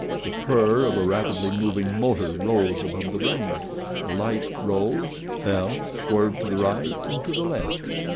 The purr of a rapidly moving motor rose above the rain, the light rose, fell, swerved to the right and to the left.